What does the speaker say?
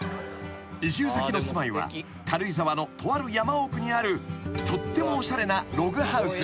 ［移住先の住まいは軽井沢のとある山奥にあるとってもおしゃれなログハウス］